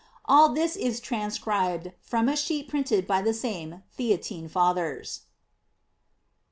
All this is transcribed from a sheet printed by the same Theatine Fathers.